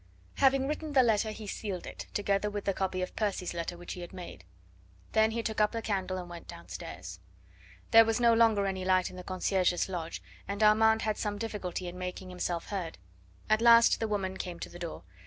Having written the letter, he sealed it, together with the copy of Percy's letter which he had made. Then he took up the candle and went downstairs. There was no longer any light in the concierge's lodge, and Armand had some difficulty in making himself heard. At last the woman came to the door.